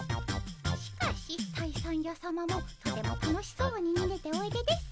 しかし退散やさまもとても楽しそうににげておいでです。